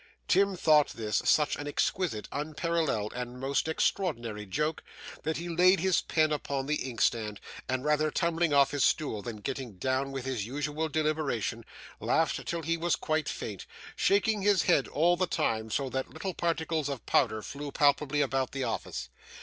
Tim thought this such an exquisite, unparalleled, and most extraordinary joke, that he laid his pen upon the inkstand, and rather tumbling off his stool than getting down with his usual deliberation, laughed till he was quite faint, shaking his head all the time so that little particles of powder flew palpably about the office.